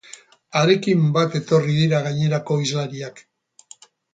Harekin bat etorri dira gainerako hizlariak.